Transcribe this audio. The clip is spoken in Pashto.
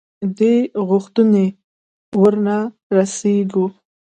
دې غوښتنې ورنه رسېږو.